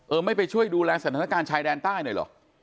เอ่อไม่ไปดูแลศนธนาการชายแดนใต้หน่อยเหรอ